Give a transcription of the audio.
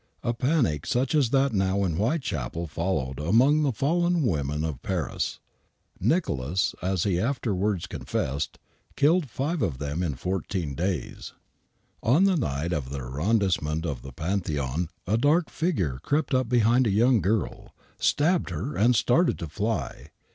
A panic such as that now in Whitechapel followed among the fallen women of Paris. Nicholas, as he afterwards confessed, killed £ve of them in fourteen days. One night in the Arrondissement of the Pantheon a dark figure crept up behind a young girl, stabbed her and started to fly.